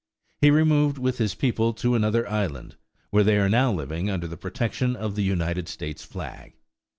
He removed with his people to another island, where they are now living under the protection of the United States flag.